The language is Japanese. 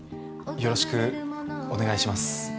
よろしくお願いします。